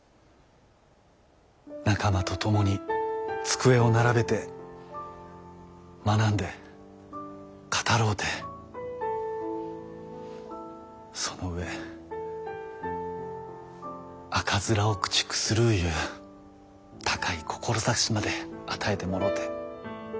仲間と共に机を並べて学んで語ろうてその上赤面を駆逐するいう高い志まで与えてもろて。